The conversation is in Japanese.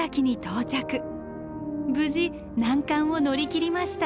無事難関を乗り切りました。